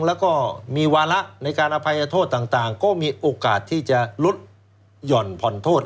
แล้วก็มีวาระในการอภัยโทษต่างก็มีโอกาสที่จะลดหย่อนผ่อนโทษ